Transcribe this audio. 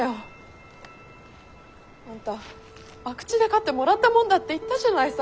あんた博打で勝ってもらったもんだって言ったじゃないさ。